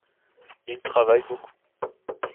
Il travaille beaucoup.